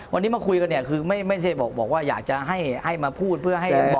วันนี้มาคุยกันเนี่ยคือไม่ใช่บอกว่าอยากจะให้มาพูดเพื่อให้